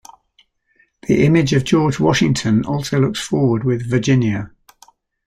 The image of George Washington also looks forward with "Virginia".